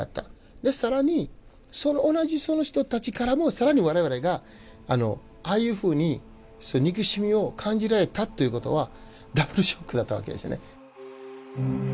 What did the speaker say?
でさらにその同じその人たちからもさらに我々がああいうふうにそういう憎しみを感じられたということはダブルショックだったわけですよね。